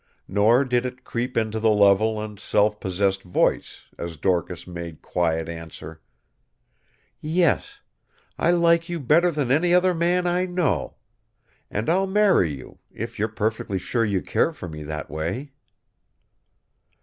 Nor did it creep into the level and self possessed voice, as Dorcas made quiet answer: "Yes. I like you better than any other man I know. And I'll marry you, if you're perfectly sure you care for me that way."